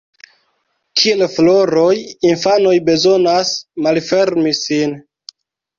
Kiel floroj, infanoj bezonas ‘malfermi’ sin.